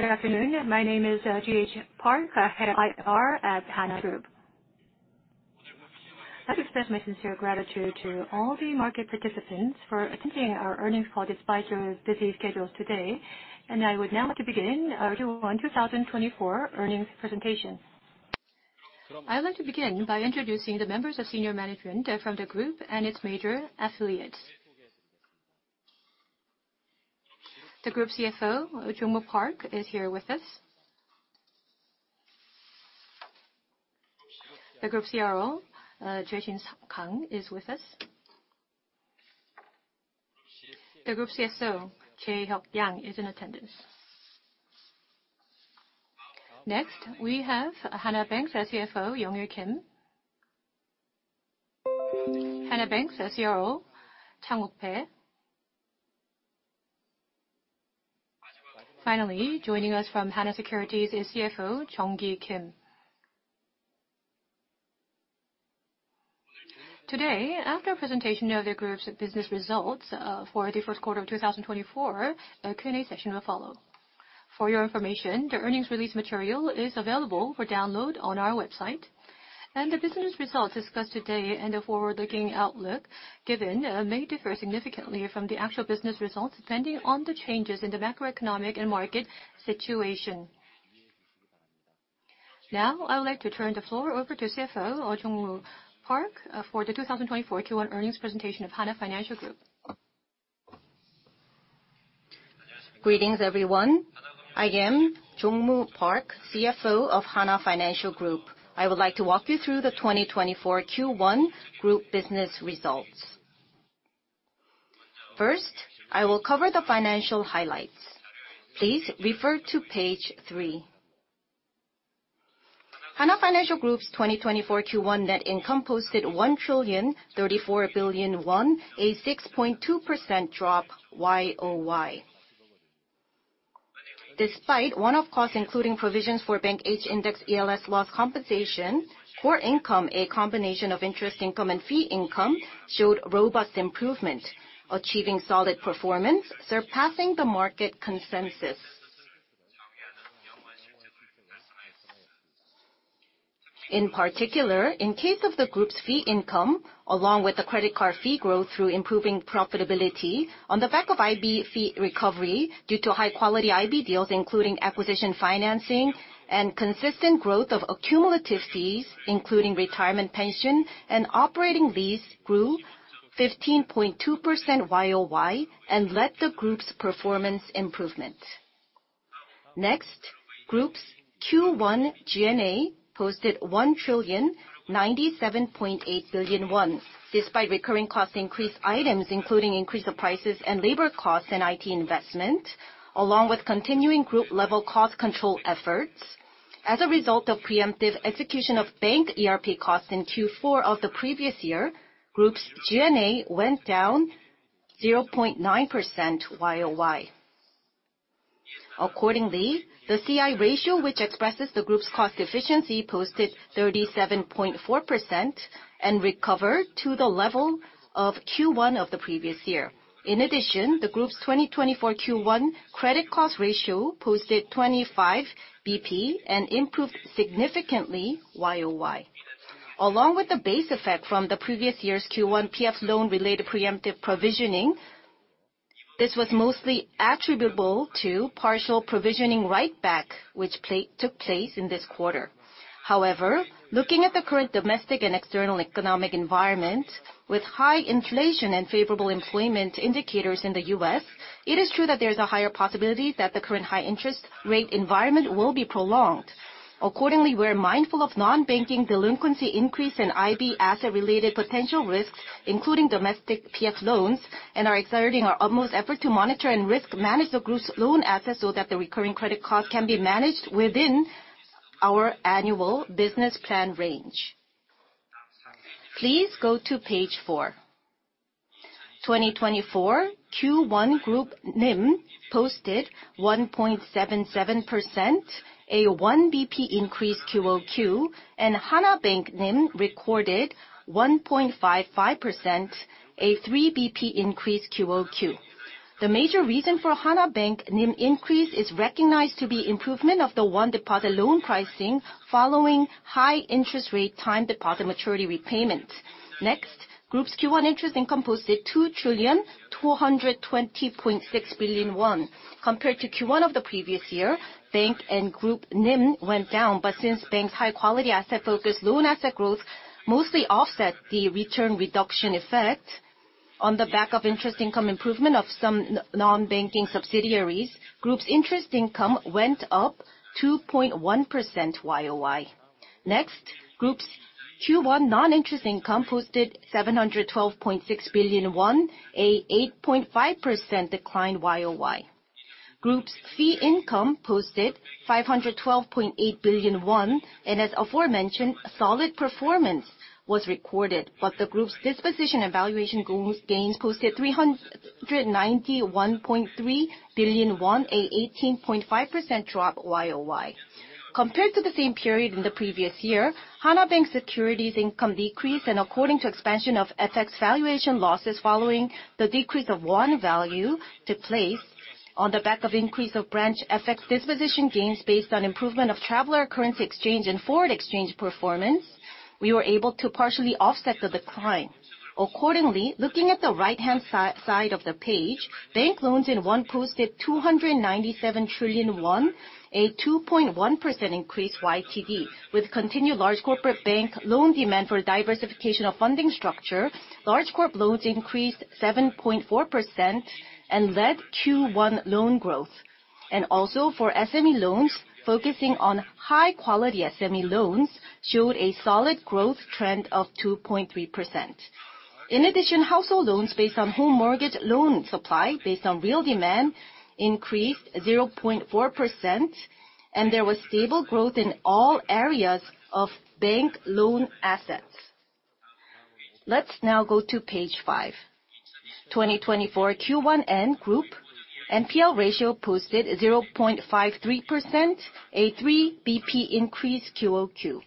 Good afternoon. My name is G.H. Park. I head IR at Hana Group. I'd like to express my sincere gratitude to all the market participants for attending our earnings call despite your busy schedules today. I would now like to begin our June 1, 2024, earnings presentation. I'd like to begin by introducing the members of senior management from the group and its major affiliates. The group CFO, Jong-moo Park, is here with us. The group CRO, Jae-shin Kang, is with us. The group CSO, Jae-hyuk Yang, is in attendance. Next, we have Hana Bank's CFO, Young-il Kim. Hana Bank's CRO, Chang-wook Pae. Finally, joining us from Hana Securities is CFO, Jeong-ki Kim. Today, after a presentation of the group's business results for the first quarter of 2024, a Q&A session will follow. For your information, the earnings release material is available for download on our website. The business results discussed today and the forward-looking outlook given may differ significantly from the actual business results depending on the changes in the macroeconomic and market situation. Now, I would like to turn the floor over to CFO Jong-moo Park, for the 2024 Q1 earnings presentation of Hana Financial Group. Greetings, everyone. I am Jong-moo Park, CFO of Hana Financial Group. I would like to walk you through the 2024 Q1 group business results. First, I will cover the financial highlights. Please refer to page 3. Hana Financial Group's 2024 Q1 net income posted 1,034 billion won, a 6.2% drop YOY. Despite one-off costs including provisions for Bank H Index ELS loss compensation, core income, a combination of interest income and fee income, showed robust improvement, achieving solid performance, surpassing the market consensus. In particular, in case of the group's fee income, along with the credit card fee growth through improving profitability on the back of IB fee recovery due to high-quality IB deals including acquisition financing and consistent growth of accumulative fees including retirement pension and operating lease, grew 15.2% YOY and led the group's performance improvement. Next, group's Q1 G&A posted 1,097.8 billion won despite recurring cost increase items including increase of prices and labor costs and IT investment, along with continuing group-level cost control efforts. As a result of preemptive execution of bank ERP costs in Q4 of the previous year, group's G&A went down 0.9% YOY. Accordingly, the CI ratio, which expresses the group's cost efficiency, posted 37.4% and recovered to the level of Q1 of the previous year. In addition, the group's 2024 Q1 credit cost ratio posted 25 basis points and improved significantly YOY. Along with the base effect from the previous year's Q1 PF loan-related preemptive provisioning, this was mostly attributable to partial provisioning write-back which took place in this quarter. However, looking at the current domestic and external economic environment with high inflation and favorable employment indicators in the US, it is true that there is a higher possibility that the current high-interest rate environment will be prolonged. Accordingly, we are mindful of non-banking delinquency increase and IB asset-related potential risks including domestic PF loans and are exerting our utmost effort to monitor and risk-manage the group's loan assets so that the recurring credit cost can be managed within our annual business plan range. Please go to page 4. 2024 Q1 group NIM posted 1.77%, a 1 BP increase QOQ, and Hana Bank NIM recorded 1.55%, a 3 BP increase QOQ. The major reason for Hana Bank NIM increase is recognized to be improvement of the won-deposit loan pricing following high-interest rate time-deposit maturity repayment. Next, group's Q1 interest income posted 2,220.6 billion won. Compared to Q1 of the previous year, bank and group NIM went down, but since bank's high-quality asset-focused loan asset growth mostly offset the return reduction effect. On the back of interest income improvement of some non-banking subsidiaries, group's interest income went up 2.1% YOY. Next, group's Q1 non-interest income posted 712.6 billion won, an 8.5% decline YOY. Group's fee income posted 512.8 billion won and, as aforementioned, solid performance was recorded, but the group's disposition evaluation gains posted 391.3 billion won, an 18.5% drop YOY. Compared to the same period in the previous year, Hana Securities income decreased and, according to expansion of FX valuation losses following the decrease of won value took place on the back of increase of branch FX disposition gains based on improvement of traveler currency exchange and foreign exchange performance, we were able to partially offset the decline. Accordingly, looking at the right-hand side of the page, bank loans in won posted 297 trillion won, a 2.1% increase YTD. With continued large corporate bank loan demand for diversification of funding structure, large corp loans increased 7.4% and led Q1 loan growth. And also, for SME loans, focusing on high-quality SME loans showed a solid growth trend of 2.3%. In addition, household loans based on home mortgage loan supply based on real demand increased 0.4%, and there was stable growth in all areas of bank loan assets. Let's now go to page 5. 2024 Q1 Hana Group NPL ratio posted 0.53%, a 3 BP increase QOQ.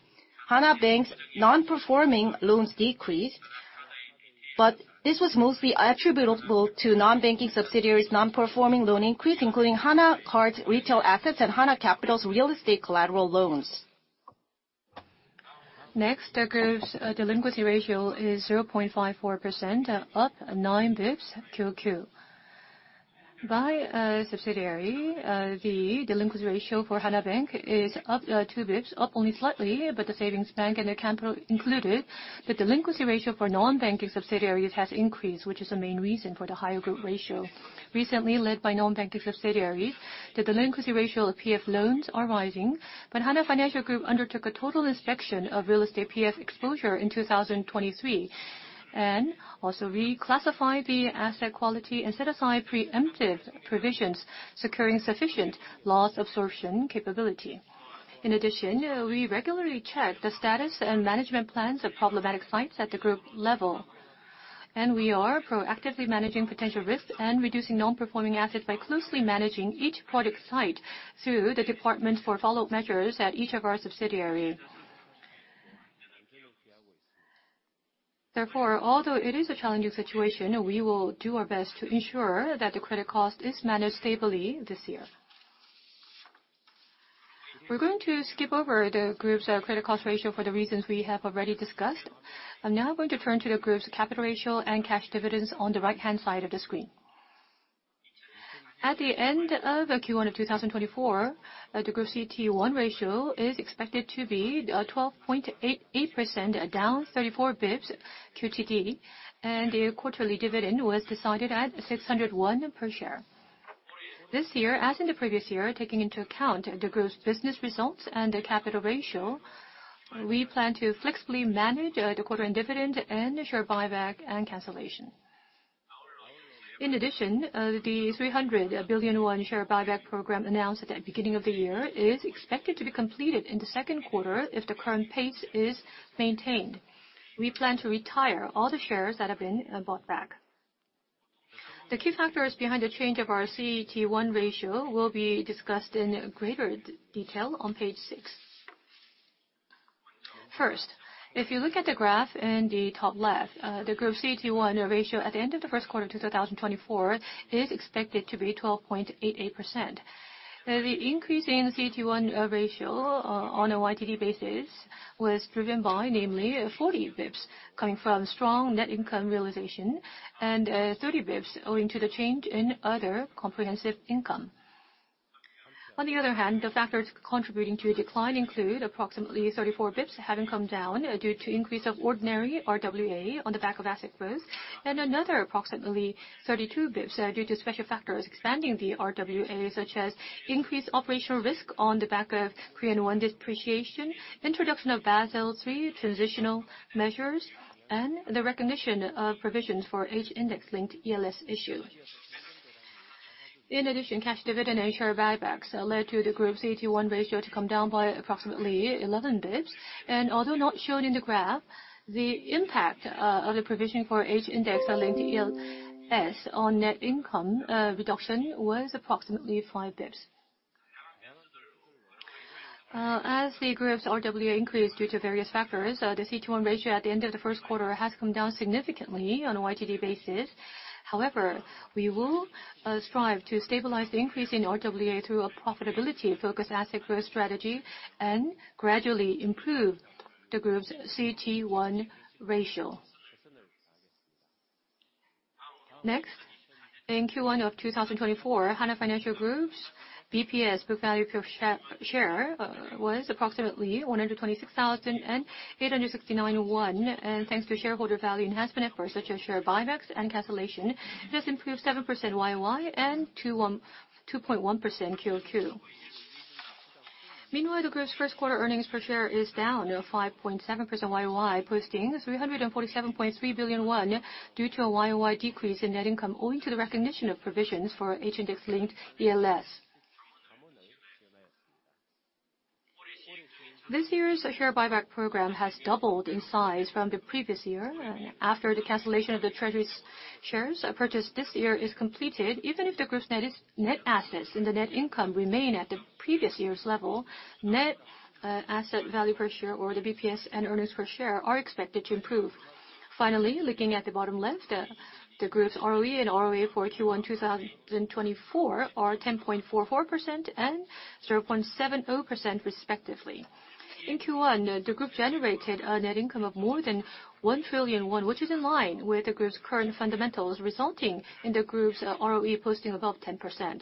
Hana Bank's non-performing loans decreased, but this was mostly attributable to non-banking subsidiaries' non-performing loan increase including Hana Card's retail assets and Hana Capital's real estate collateral loans. Next, the group's delinquency ratio is 0.54%, up 9 basis points QOQ. By subsidiary, the delinquency ratio for Hana Bank is up 2 basis points, up only slightly, but the savings bank and non-bank included, the delinquency ratio for non-banking subsidiaries has increased, which is the main reason for the higher group ratio. Recently led by non-banking subsidiaries, the delinquency ratio of PF loans are rising, but Hana Financial Group undertook a total inspection of real estate PF exposure in 2023 and also reclassified the asset quality and set aside preemptive provisions securing sufficient loss absorption capability. In addition, we regularly check the status and management plans of problematic sites at the group level, and we are proactively managing potential risks and reducing non-performing assets by closely managing each project site through the department for follow-up measures at each of our subsidiaries. Therefore, although it is a challenging situation, we will do our best to ensure that the credit cost is managed stably this year. We're going to skip over the group's credit cost ratio for the reasons we have already discussed. I'm now going to turn to the group's capital ratio and cash dividends on the right-hand side of the screen. At the end of Q1 of 2024, the group's CET1 ratio is expected to be 12.88%, down 34 basis points QTD, and the quarterly dividend was decided at 601 per share. This year, as in the previous year, taking into account the group's business results and the capital ratio, we plan to flexibly manage the quarterly dividend and share buyback and cancellation. In addition, the 300 billion won share buyback program announced at the beginning of the year is expected to be completed in the second quarter if the current pace is maintained. We plan to retire all the shares that have been bought back. The key factors behind the change of our CET1 ratio will be discussed in greater detail on page 6. First, if you look at the graph in the top left, the group's CET1 ratio at the end of the first quarter of 2024 is expected to be 12.88%. The increase in the CET1 ratio on a YTD basis was driven by, namely, 40 basis points coming from strong net income realization and 30 basis points owing to the change in other comprehensive income. On the other hand, the factors contributing to the decline include approximately 34 basis points having come down due to increase of ordinary RWA on the back of asset growth and another approximately 32 basis points due to special factors expanding the RWA such as increased operational risk on the back of Q1 depreciation, introduction of Basel III transitional measures, and the recognition of provisions for H-Index-linked ELS issue. In addition, cash dividend and share buybacks led to the group's CET1 ratio to come down by approximately 11 basis points. Although not shown in the graph, the impact of the provision for H-Index-linked ELS on net income reduction was approximately 5 basis points. As the group's RWA increased due to various factors, the CET1 ratio at the end of the first quarter has come down significantly on a YTD basis. However, we will strive to stabilize the increase in RWA through a profitability-focused asset growth strategy and gradually improve the group's CET1 ratio. Next, in Q1 of 2024, Hana Financial Group's BPS, book value per share, was approximately 126,869 won. And thanks to shareholder value enhancement efforts such as share buybacks and cancellation, this improved 7% YOY and 2.1% QOQ. Meanwhile, the group's first quarter earnings per share is down 5.7% YOY, posting 347.3 billion won due to a YOY decrease in net income owing to the recognition of provisions for H-Index-linked ELS. This year's share buyback program has doubled in size from the previous year. After the cancellation of the treasury shares purchased this year is completed, even if the group's net assets in the net income remain at the previous year's level, net asset value per share, or the BPS, and earnings per share are expected to improve. Finally, looking at the bottom left, the group's ROE and ROA for Q1 2024 are 10.44% and 0.70% respectively. In Q1, the group generated a net income of more than 1 trillion won, which is in line with the group's current fundamentals, resulting in the group's ROE posting above 10%.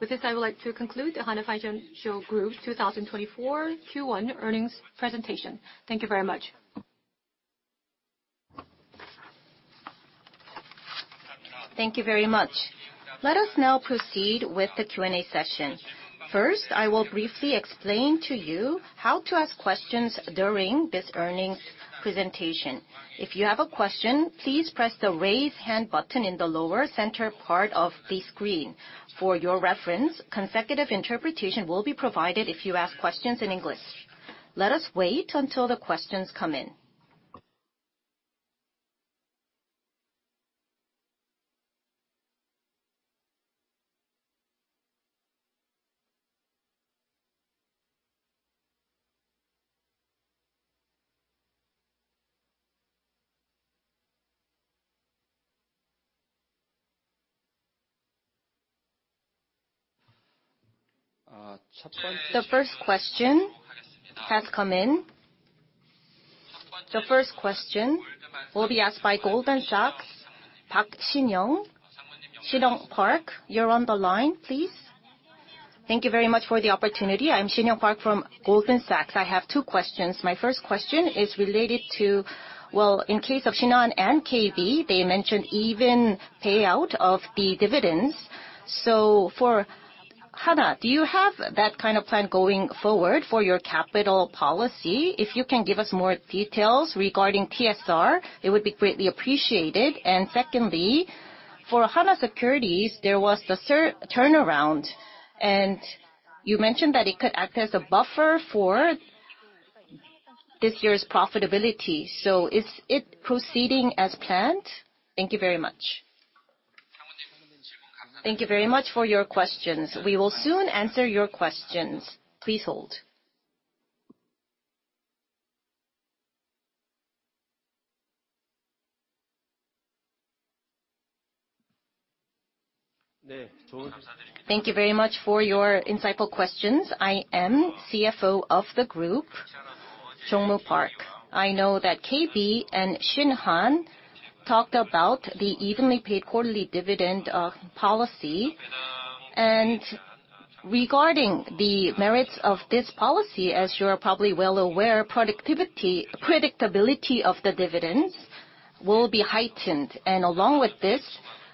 With this, I would like to conclude the Hana Financial Group's 2024 Q1 earnings presentation. Thank you very much. Thank you very much. Let us now proceed with the Q&A session. First, I will briefly explain to you how to ask questions during this earnings presentation. If you have a question, please press the raise hand button in the lower center part of the screen. For your reference, consecutive interpretation will be provided if you ask questions in English. Let us wait until the questions come in. The first question has come in. The first question will be asked by Goldman Sachs' Park Shin-young. You're on the line, please. Thank you very much for the opportunity. I'm Shin-young Park from Goldman Sachs. I have two questions. My first question is related to, well, in case of Shinhan and KB, they mentioned even payout of the dividends. So for Hana, do you have that kind of plan going forward for your capital policy? If you can give us more details regarding TSR, it would be greatly appreciated. And secondly, for Hana Securities, there was the turnaround, and you mentioned that it could act as a buffer for this year's profitability. So is it proceeding as planned? Thank you very much. Thank you very much for your questions. We will soon answer your questions. Please hold. Thank you very much for your insightful questions. I am CFO of the group, Jong-moo Park. I know that KB and Shinhan talked about the evenly paid quarterly dividend policy. Regarding the merits of this policy, as you're probably well aware, predictability of the dividends will be heightened. Along with this,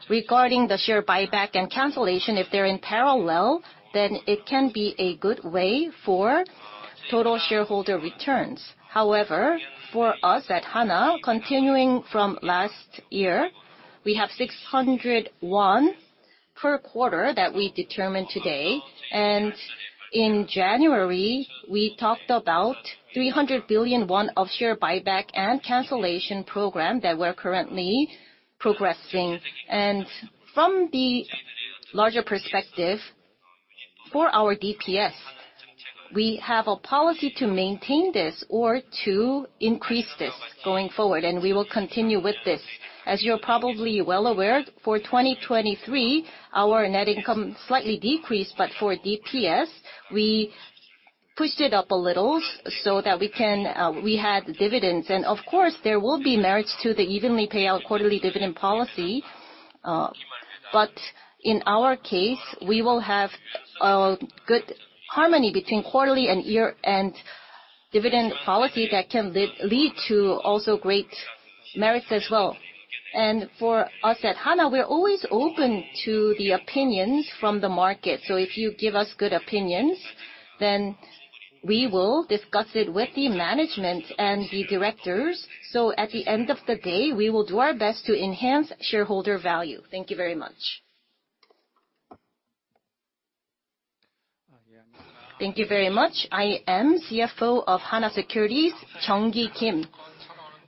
regarding the share buyback and cancellation, if they're in parallel, then it can be a good way for total shareholder returns. However, for us at Hana, continuing from last year, we have 600 won per quarter that we determined today. In January, we talked about 300 billion won of share buyback and cancellation program that we're currently progressing. From the larger perspective, for our DPS, we have a policy to maintain this or to increase this going forward, and we will continue with this. As you're probably well aware, for 2023, our net income slightly decreased, but for DPS, we pushed it up a little so that we had dividends. And of course, there will be merits to the evenly payout quarterly dividend policy. But in our case, we will have good harmony between quarterly and dividend policy that can lead to also great merits as well. And for us at Hana, we're always open to the opinions from the market. So if you give us good opinions, then we will discuss it with the management and the directors. So at the end of the day, we will do our best to enhance shareholder value. Thank you very much. Thank you very much. I am CFO of Hana Securities, Kim Jeong-ki.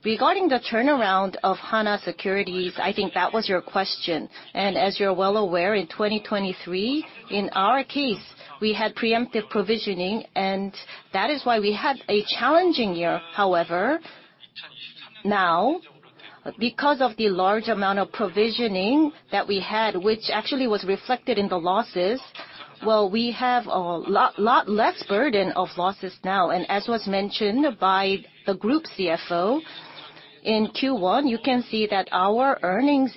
Regarding the turnaround of Hana Securities, I think that was your question. As you're well aware, in 2023, in our case, we had preemptive provisioning, and that is why we had a challenging year. However, now, because of the large amount of provisioning that we had, which actually was reflected in the losses, well, we have a lot less burden of losses now. As was mentioned by the Group CFO, in Q1, you can see that our earnings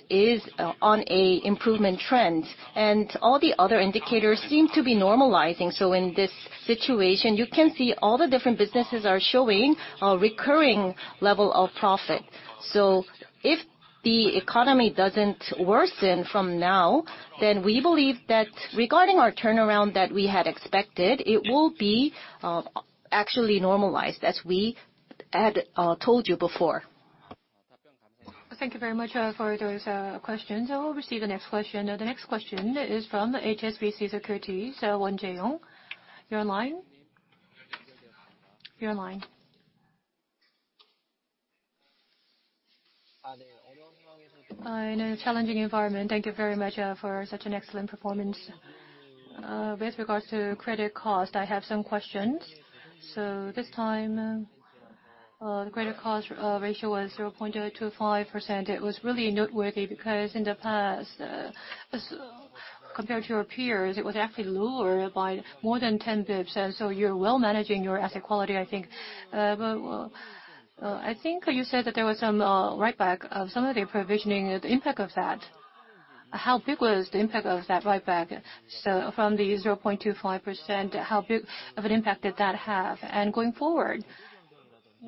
are on an improvement trend, and all the other indicators seem to be normalizing. In this situation, you can see all the different businesses are showing a recurring level of profit. If the economy doesn't worsen from now, then we believe that regarding our turnaround that we had expected, it will be actually normalized, as we had told you before. Thank you very much for those questions. I will proceed to the next question. The next question is from HSBC Securities, Won Jae-woong. You're on line. You're on line. In a challenging environment, thank you very much for such an excellent performance. With regards to credit cost, I have some questions. So this time, the credit cost ratio was 0.25%. It was really noteworthy because in the past, compared to your peers, it was actually lower by more than 10 BP. And so you're well managing your asset quality, I think. But I think you said that there was some writeback of some of the provisioning, the impact of that. How big was the impact of that writeback from the 0.25%? How big of an impact did that have? And going forward,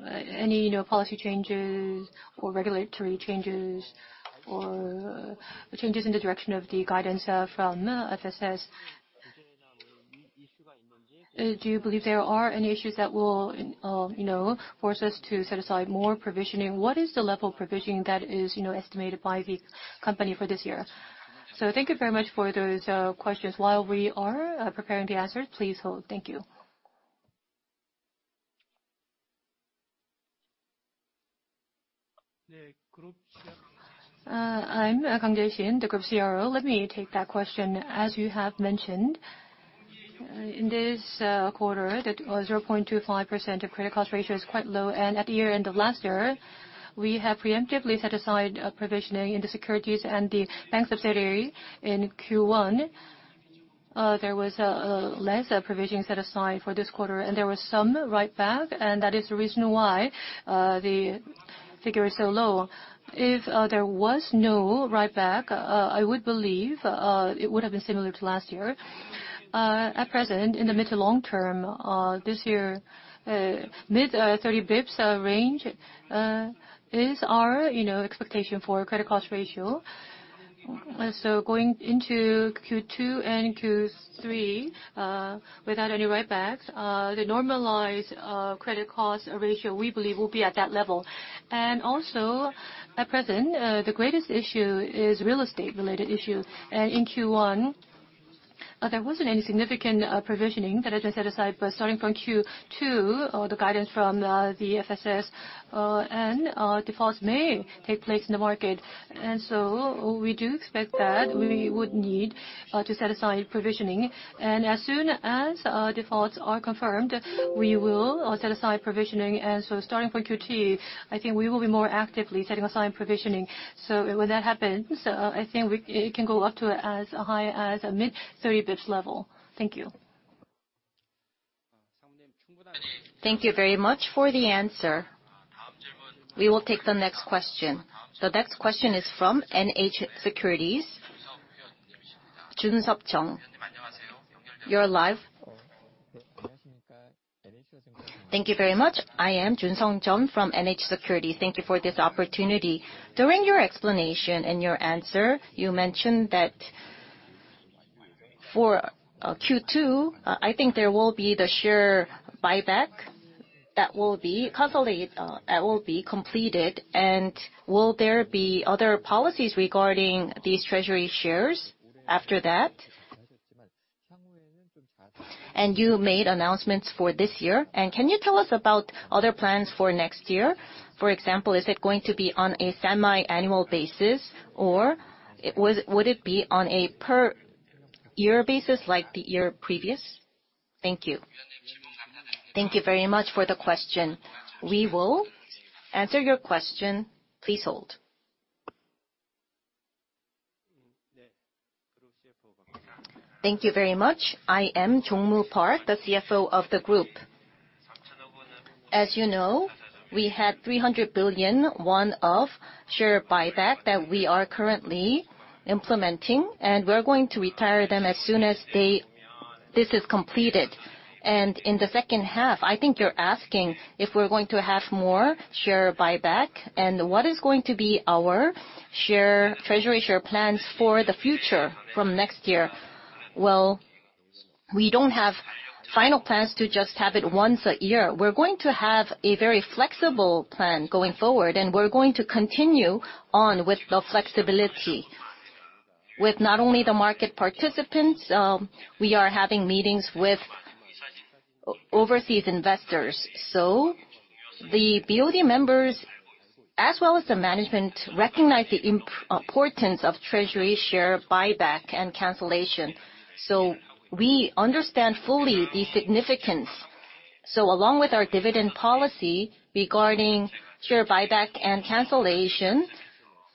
any policy changes or regulatory changes or changes in the direction of the guidance from FSS? Do you believe there are any issues that will force us to set aside more provisioning? What is the level of provisioning that is estimated by the company for this year? Thank you very much for those questions. While we are preparing the answers, please hold. Thank you. I'm Kang Jae-shin, the group CRO. Let me take that question. As you have mentioned, in this quarter, the 0.25% of credit cost ratio is quite low. At the year-end of last year, we have preemptively set aside provisioning in the securities and the bank subsidiary in Q1. There was less provisioning set aside for this quarter, and there was some writeback, and that is the reason why the figure is so low. If there was no writeback, I would believe it would have been similar to last year. At present, in the mid to long term, this year, mid-30 BP range is our expectation for credit cost ratio. Going into Q2 and Q3 without any writebacks, the normalized credit cost ratio, we believe, will be at that level. Also, at present, the greatest issue is real estate-related issues. In Q1, there wasn't any significant provisioning that has been set aside. Starting from Q2, the guidance from the FSS, and defaults may take place in the market. We do expect that we would need to set aside provisioning. As soon as defaults are confirmed, we will set aside provisioning. Starting from Q3, I think we will be more actively setting aside provisioning. When that happens, I think it can go up to as high as a mid-30 BP level. Thank you. Thank you very much for the answer. We will take the next question. The next question is from NH Securities, Jeong Jun-seop. You're live. Thank you very much. I am Jeong Jun-seop from NH Securities. Thank you for this opportunity. During your explanation and your answer, you mentioned that for Q2, I think there will be the share buyback that will be completed. And will there be other policies regarding these Treasury shares after that? And you made announcements for this year. And can you tell us about other plans for next year? For example, is it going to be on a semi-annual basis, or would it be on a per-year basis like the year previous? Thank you. Thank you very much for the question. We will answer your question. Please hold. Thank you very much. I am Park Jong-moo, the Group CFO. As you know, we had 300 billion won of share buyback that we are currently implementing, and we're going to retire them as soon as this is completed. In the second half, I think you're asking if we're going to have more share buyback and what is going to be our Treasury share plans for the future from next year. Well, we don't have final plans to just have it once a year. We're going to have a very flexible plan going forward, and we're going to continue on with the flexibility. With not only the market participants, we are having meetings with overseas investors. So the BOD members, as well as the management, recognize the importance of Treasury share buyback and cancellation. So we understand fully the significance. So along with our dividend policy regarding share buyback and cancellation,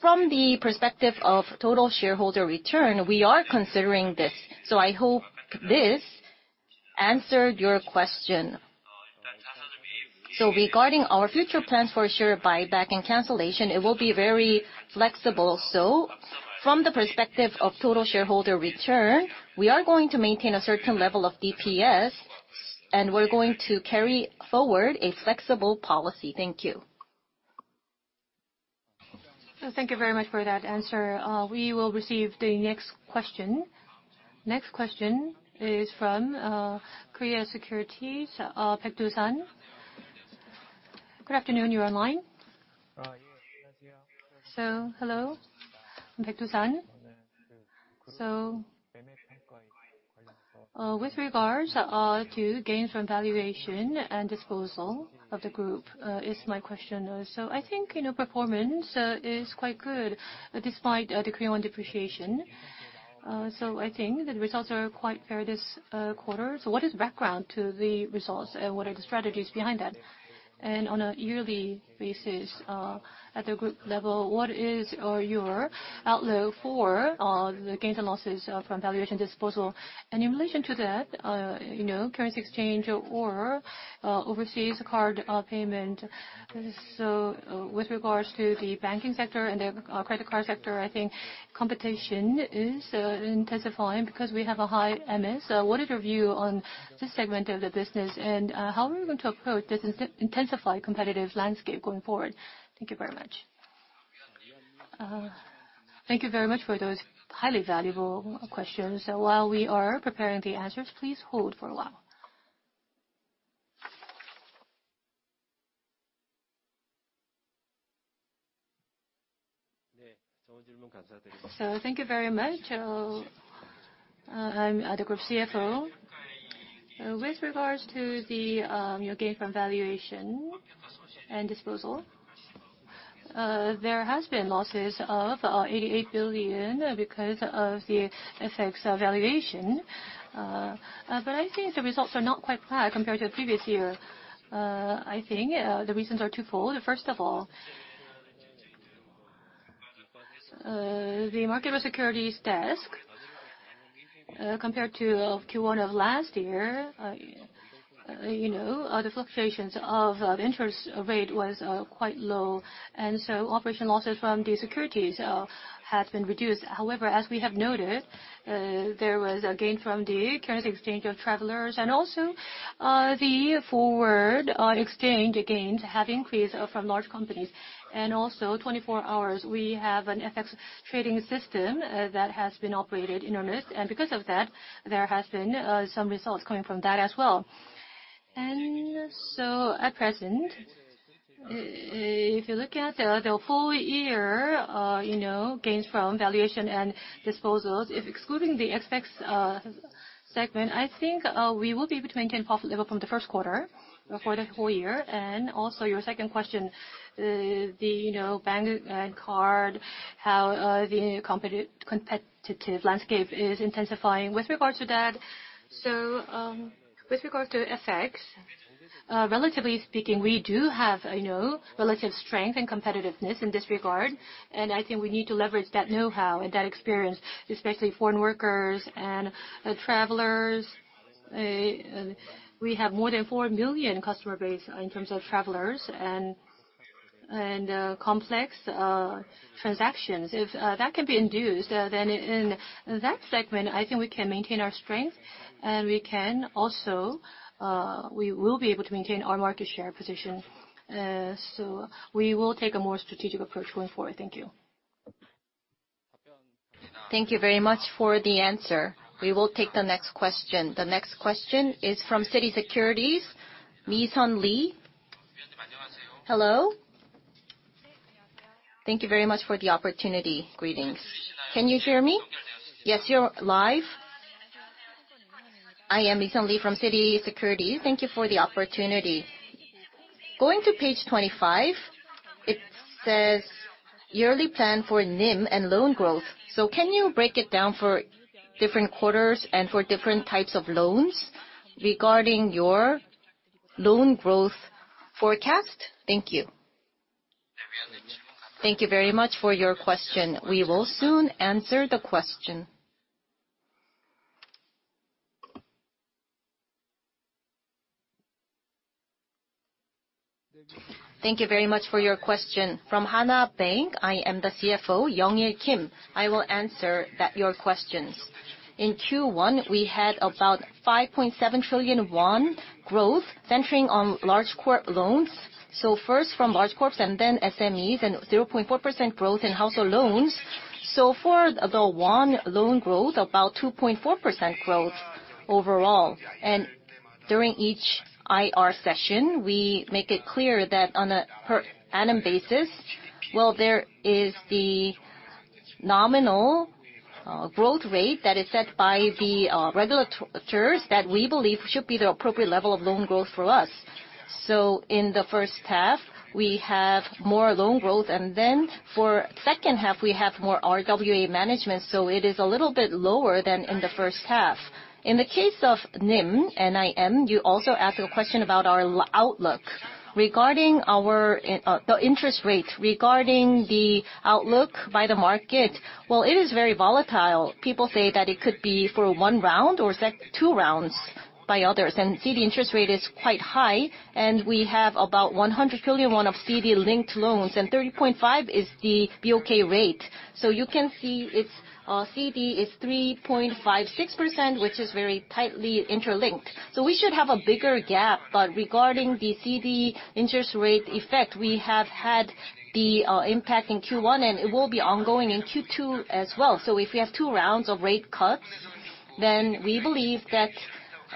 from the perspective of total shareholder return, we are considering this. So I hope this answered your question. So regarding our future plans for share buyback and cancellation, it will be very flexible. From the perspective of total shareholder return, we are going to maintain a certain level of DPS, and we're going to carry forward a flexible policy. Thank you. Thank you very much for that answer. We will receive the next question. Next question is from Korea Securities, Baek Doo-san. Good afternoon. You're on the line. So hello, Baek Doo-san. So with regards to gains from valuation and disposal of the group, is my question. So I think performance is quite good despite the Korean won depreciation. So I think the results are quite fair this quarter. So what is background to the results, and what are the strategies behind that? And on a yearly basis, at the group level, what is your outlook for the gains and losses from valuation disposal? And in relation to that, currency exchange or overseas card payment. So with regards to the banking sector and the credit card sector, I think competition is intensifying because we have a high MS. What is your view on this segment of the business, and how are we going to approach this intensified competitive landscape going forward? Thank you very much. Thank you very much for those highly valuable questions. While we are preparing the answers, please hold for a while. So thank you very much. I'm the Group CFO. With regards to the gains from valuation and disposal, there have been losses of 88 billion because of the effects of valuation. But I think the results are not quite flat compared to the previous year. I think the reasons are twofold. First of all, the market risk securities desk, compared to Q1 of last year, the fluctuations of interest rate were quite low. And so operation losses from the securities have been reduced. However, as we have noted, there was a gain from the currency exchange of travelers. Also, the forward exchange gains have increased from large companies. Also, 24 hours, we have an FX trading system that has been operated in earnest. Because of that, there have been some results coming from that as well. So at present, if you look at the full-year gains from valuation and disposals, excluding the FX segment, I think we will be able to maintain profit level from the first quarter for the whole year. Also, your second question, the bank and card, how the competitive landscape is intensifying. With regards to that, with regards to FX, relatively speaking, we do have relative strength and competitiveness in this regard. I think we need to leverage that know-how and that experience, especially foreign workers and travelers. We have more than 4 million customer base in terms of travelers and complex transactions. If that can be induced, then in that segment, I think we can maintain our strength, and we will be able to maintain our market share position. So we will take a more strategic approach going forward. Thank you. Thank you very much for the answer. We will take the next question. The next question is from Citigroup, Lee Mi-sun. Hello. Thank you very much for the opportunity. Greetings. Can you hear me? Yes, you're live. I am Lee Mi-sun from Citigroup. Thank you for the opportunity. Going to page 25, it says yearly plan for NIM and loan growth. So can you break it down for different quarters and for different types of loans regarding your loan growth forecast? Thank you. Thank you very much for your question. We will soon answer the question. Thank you very much for your question. From Hana Bank, I am the CFO, Kim Young-il. I will answer your questions. In Q1, we had about 5.7 trillion won growth centering on large-corp loans. So first from large-corps and then SMEs, and 0.4% growth in household loans. So for the won loan growth, about 2.4% growth overall. And during each IR session, we make it clear that on an annual basis, well, there is the nominal growth rate that is set by the regulators that we believe should be the appropriate level of loan growth for us. So in the first half, we have more loan growth. And then for the second half, we have more RWA management. So it is a little bit lower than in the first half. In the case of NIM, NIM, you also asked a question about our outlook regarding the interest rate. Regarding the outlook by the market, well, it is very volatile. People say that it could be for one round or two rounds by others. And CD interest rate is quite high. And we have about 100 trillion won of CD-linked loans, and 3.05% is the BOK rate. You can see CD is 3.56%, which is very tightly interlinked. We should have a bigger gap. But regarding the CD interest rate effect, we have had the impact in Q1, and it will be ongoing in Q2 as well. If we have two rounds of rate cuts, then we believe that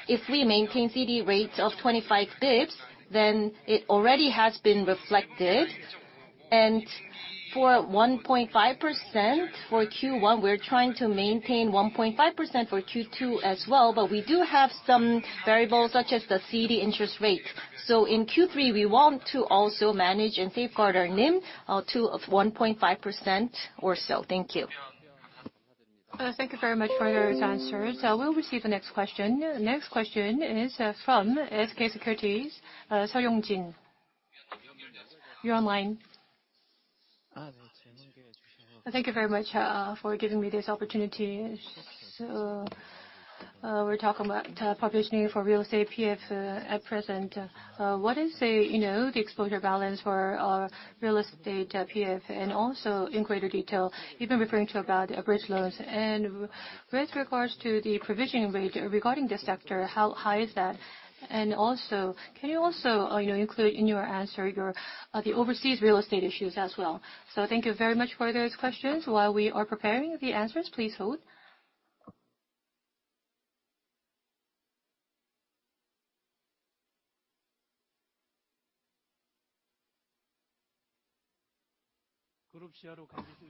if we maintain CD rates of 25 BP, then it already has been reflected. For 1.5% for Q1, we're trying to maintain 1.5% for Q2 as well. But we do have some variables such as the CD interest rate. In Q3, we want to also manage and safeguard our NIM to 1.5% or so. Thank you. Thank you very much for your answers. We'll receive the next question. Next question is from SK Securities, Seol Yong-jin. You're on line. Thank you very much for giving me this opportunity. So we're talking about provisioning for real estate PF at present. What is the exposure balance for real estate PF? And also in greater detail, you've been referring to about bridge loans. And with regards to the provisioning rate regarding this sector, how high is that? And can you also include in your answer the overseas real estate issues as well? So thank you very much for those questions. While we are preparing the answers, please hold.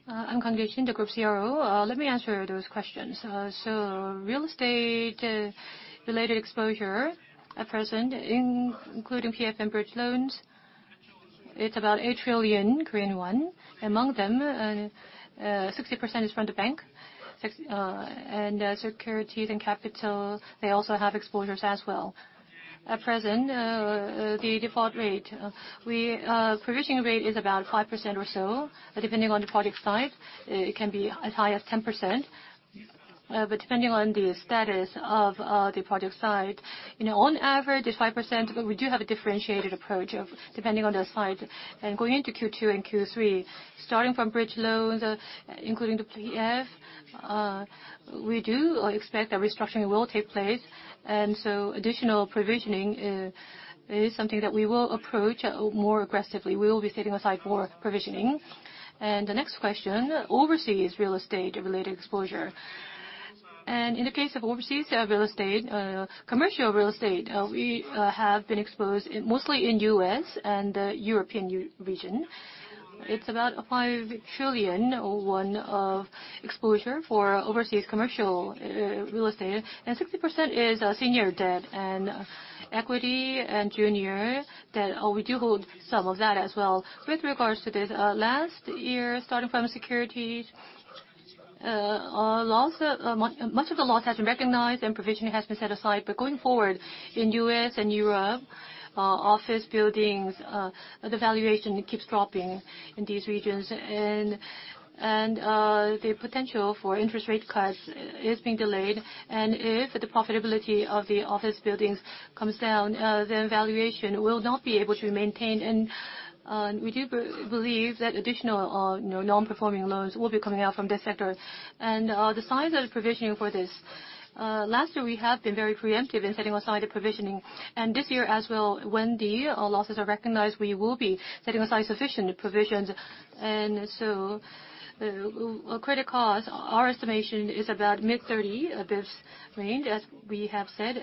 I'm Kang Jae-shin, the Group CRO. Let me answer those questions. So real estate-related exposure at present, including PF and bridge loans, it's about 8 trillion Korean won. Among them, 60% is from the bank. Securities and capital, they also have exposures as well. At present, the default rate, the provisioning rate is about 5% or so. Depending on the project side, it can be as high as 10%. But depending on the status of the project side, on average, it's 5%. But we do have a differentiated approach depending on the site. Going into Q2 and Q3, starting from bridge loans, including the PF, we do expect that restructuring will take place. So additional provisioning is something that we will approach more aggressively. We will be setting aside more provisioning. The next question, overseas real estate-related exposure. In the case of overseas real estate, commercial real estate, we have been exposed mostly in the U.S. and the European region. It's about 5 trillion won of exposure for overseas commercial real estate. 60% is senior debt, equity, and junior debt. We do hold some of that as well. With regards to this, last year, starting from securities, much of the loss has been recognized, and provisioning has been set aside. But going forward, in the U.S. and Europe, office buildings, the valuation keeps dropping in these regions. And the potential for interest rate cuts is being delayed. And if the profitability of the office buildings comes down, then valuation will not be able to be maintained. And we do believe that additional non-performing loans will be coming out from this sector. And the size of the provisioning for this, last year, we have been very preemptive in setting aside the provisioning. And this year as well, when the losses are recognized, we will be setting aside sufficient provisions. Credit cost, our estimation is about mid-30 BP range, as we have said.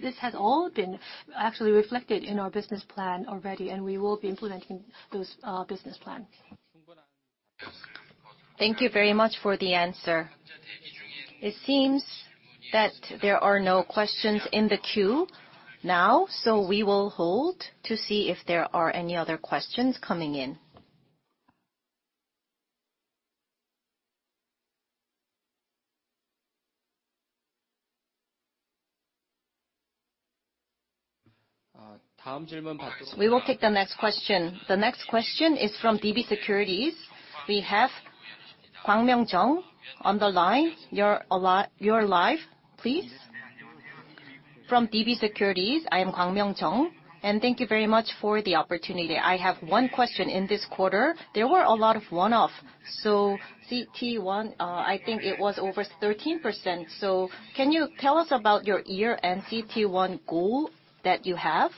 This has all been actually reflected in our business plan already. We will be implementing those business plans. Thank you very much for the answer. It seems that there are no questions in the queue now. So we will hold to see if there are any other questions coming in. We will take the next question. The next question is from DB Securities. We have Jung Kwang-myung on the line. You're live, please. From DB Securities, I am Jung Kwang-myung. And thank you very much for the opportunity. I have one question in this quarter. There were a lot of one-offs. So CET1, I think it was over 13%. So can you tell us about your year-end CET1 goal that you have?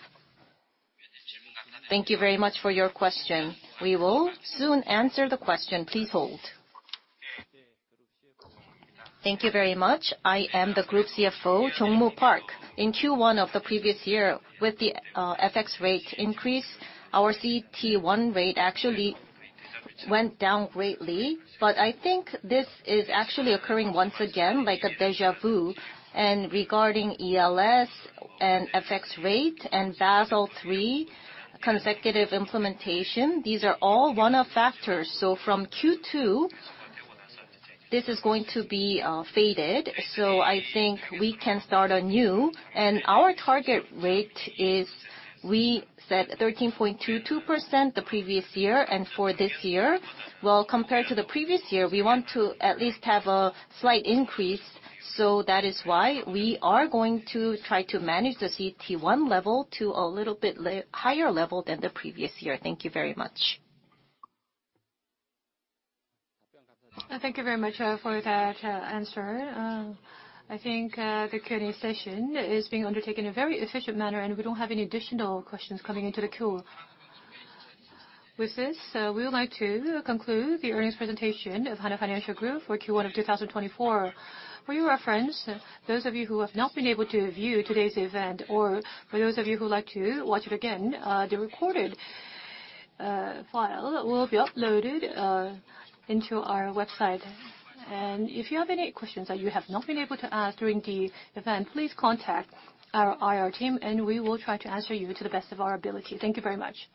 Thank you very much for your question. We will soon answer the question. Please hold. Thank you very much. I am the Group CFO, Jong-moo Park. In Q1 of the previous year, with the FX rate increase, our CET1 rate actually went down greatly. But I think this is actually occurring once again, like a déjà vu. Regarding ELS and FX rate and Basel III consecutive implementation, these are all one-off factors. From Q2, this is going to be faded. I think we can start anew. Our target rate is we set 13.22% the previous year and for this year. Well, compared to the previous year, we want to at least have a slight increase. That is why we are going to try to manage the CET1 level to a little bit higher level than the previous year. Thank you very much. Thank you very much for that answer. I think the Q&A session is being undertaken in a very efficient manner, and we don't have any additional questions coming into the queue. With this, we would like to conclude the earnings presentation of Hana Financial Group for Q1 of 2024. For your reference, those of you who have not been able to view today's event, or for those of you who would like to watch it again, the recorded file will be uploaded into our website. If you have any questions that you have not been able to ask during the event, please contact our IR team, and we will try to answer you to the best of our ability. Thank you very much.